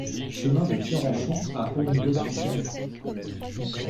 Chemin de Pierrenchon à Auribeau-sur-Siagne